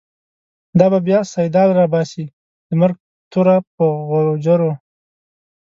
دا به بیا« سیدال» راباسی، د مرگ توره په غوجرو